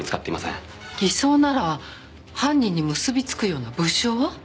偽装なら犯人に結びつくような物証は？